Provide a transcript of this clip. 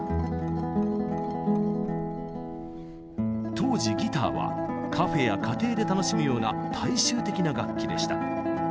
当時ギターはカフェや家庭で楽しむような大衆的な楽器でした。